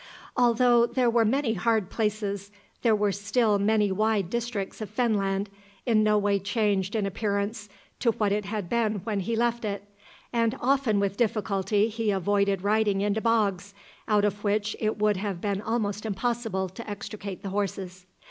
Although there were many hard places, there were still many wide districts of fen land, in no way changed in appearance to what it had been when he left it, and often with difficulty he avoided riding into bogs, out of which it would have been almost impossible to extricate the horses.